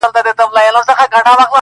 د خپلي مور پوړنی وړي د نن ورځي غازیان٫